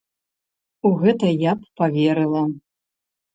У гэта я б паверыла.